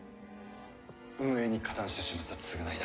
運営に加担してしまった償いだ。